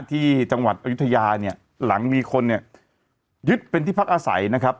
ที่จังหวัดอายุทยาเนี่ยหลังมีคนเนี่ยยึดเป็นที่พักอาศัยนะครับ